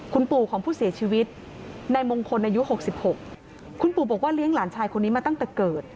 คุณปู่ของผู้เสียชีวิตนายมงคลอายุ๖๖คุณปู่บอกว่าเลี้ยงหลานชายคนนี้มาตั้งแต่เกิด